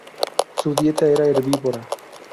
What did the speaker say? Su dieta era herbívora.